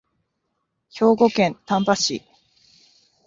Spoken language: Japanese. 兵庫県丹波市